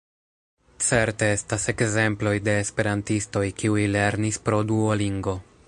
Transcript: Certe estas ekzemploj de esperantistoj kiuj lernis pro Duolingo.